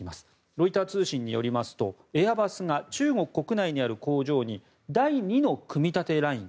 ロイター通信によりますとエアバスが中国国内にある工場に第２の組み立てライン